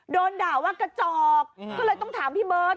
โดนด่าว่ากระจอกก็เลยต้องถามพี่เบิร์ต